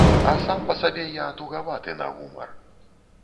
А сам па сабе я тугаваты на гумар.